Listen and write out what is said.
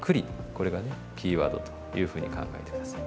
これがねキーワードというふうに考えて下さい。